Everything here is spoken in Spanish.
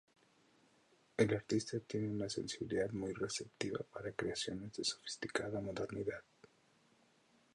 El artista tiene una sensibilidad muy receptiva para creaciones de sofisticada modernidad.